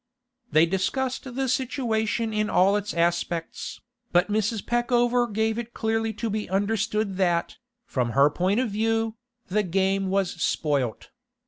They discussed the situation in all its aspects, but Mrs. Peckover gave it clearly to be understood that, from her point of view, 'the game was spoilt.